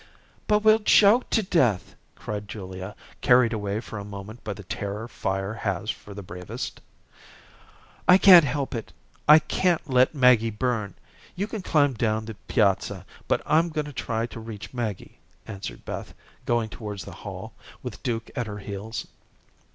"But we'll choke to death," cried Julia, carried away for a moment by the terror fire has for the bravest. "I can't help it. I can't let Maggie burn. You can climb down the piazza, but I'm going to try to reach Maggie," answered Beth, going towards the hall, with Duke at her heels.